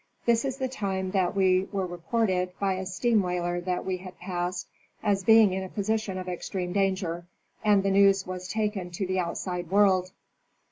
This is the time that we were reported (by a steam whaler that we had passed) as being in a position of extreme danger, and the news was taken to the outside world.